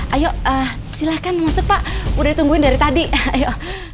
ayo silahkan masuk pak udah ditungguin dari tadi ayo